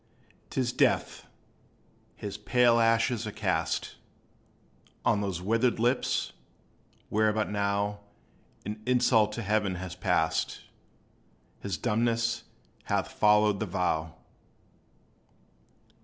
'T is death! his pale ashes are cast On those withered lips, where but now An insult to Heaven was passed; His dumbness hath followed the vow.